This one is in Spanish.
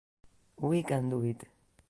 We Can Do It!